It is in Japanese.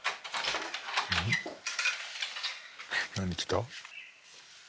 何来た？